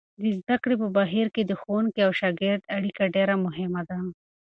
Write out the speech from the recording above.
د زده کړې په بهیر کې د ښوونکي او شاګرد اړیکه ډېره مهمه ده.